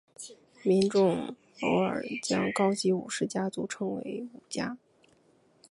民众偶尔将高级武士家族称作武家。